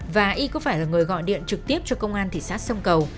và y có phải là người gọi điện trực tiếp cho công an thị xã sông cầu